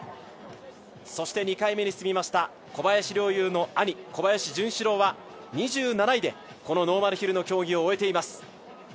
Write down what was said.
そして２回目に進みました小林陵侑の兄、小林潤志郎は２７位でこのノーマルヒルの競技を終えています。